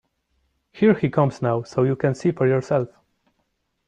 Here he comes now, so you can see for yourself.